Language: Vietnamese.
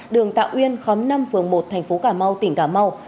bảy trăm bảy mươi tám đường tạo uyên khóm năm phường một thành phố cà mau tỉnh cà mau